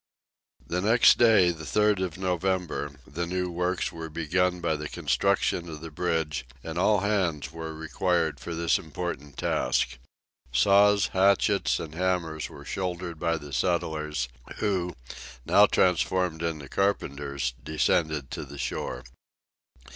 The next day, the 3rd of November, the new works were begun by the construction of the bridge, and all hands were required for this important task. Saws, hatchets, and hammers were shouldered by the settlers, who, now transformed into carpenters, descended to the shore.